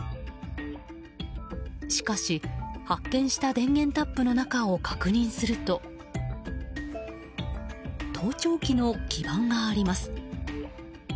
しかし、発見した電源タップの中を確認すると盗聴器の基板があります。